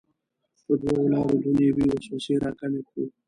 په دوو لارو دنیوي وسوسې راکمې کړو.